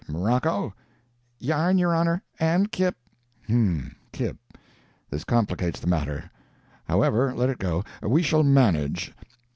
Morocco?' "'Yarn, your Honor. And kip.' "'Um kip. This complicates the matter. However, let it go we shall manage.